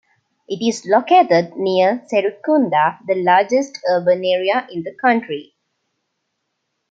It is located near Serrekunda, the largest urban area in the country.